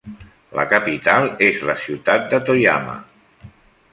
La capital és la ciutat de Toyama.